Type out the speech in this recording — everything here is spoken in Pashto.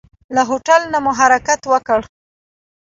له هوټل نه مو حرکت وکړ.